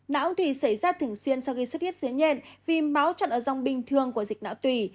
não thì xảy ra thường xuyên sau khi xuất hiếp dế nhện vì máu chặt ở dòng bình thường của dịch não tùy